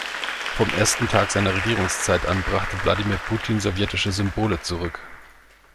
Vom ersten Tag seiner Regierungszeit an brachte Wladimir Putin sowjetische Symbole zurück.